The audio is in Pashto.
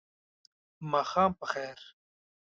ماښام په خیر !